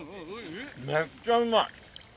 めっちゃうまい！